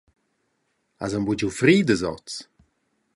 Has aunc buca giu fridas oz?